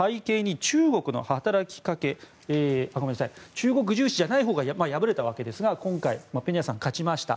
中国重視じゃないほうが敗れたわけですが今回、ペニャさんが勝ちました。